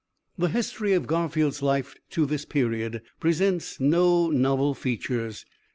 "The history of Garfield's life to this period presents no novel features.